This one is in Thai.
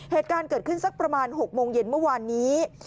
เหตุการณ์เกิดขึ้นสักประมาณ๖โมงเย็นเมื่อวานนี้